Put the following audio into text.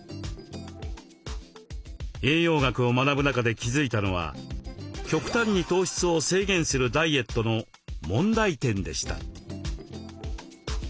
栄養学を学ぶ中で気付いたのは極端に糖質を制限するダイエットの問題点でした。